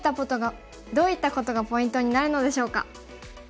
どういったことがポイントになるのでしょうか。